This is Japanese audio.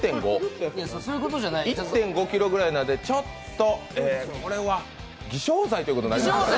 あ、１．５ｋｇぐらいなのでちょっとこれは偽証罪ってことになりますね。